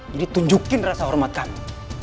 jadi tunjukin rasa hormat kamu